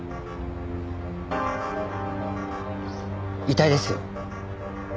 遺体ですよ。